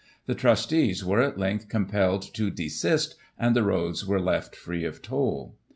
The trustees were, at length, compelled to desist, and the roads were left free of toll.